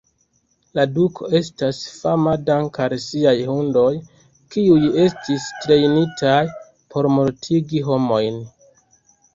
La duko estis fama dank'al siaj hundoj, kiuj estis trejnitaj por mortigi homojn.